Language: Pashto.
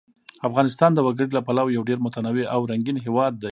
افغانستان د وګړي له پلوه یو ډېر متنوع او رنګین هېواد دی.